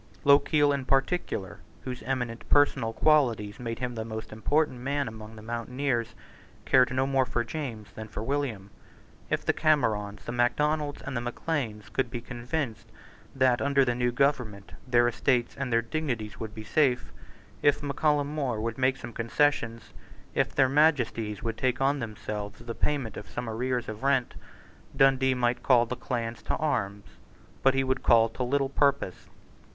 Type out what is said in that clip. Lochiel in particular, whose eminent personal qualities made him the most important man among the mountaineers, cared no more for James than for William. If the Camerons, the Macdonalds, and the Macleans could be convinced that, under the new government, their estates and their dignities would be safe, if Mac Callum More would make some concessions, if their Majesties would take on themselves the payment of some arrears of rent, Dundee might call the clans to arms; but he would call to little purpose.